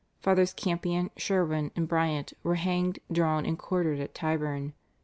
Fathers Campion, Sherwin, and Briant were hanged, drawn and quartered at Tyburn (Dec.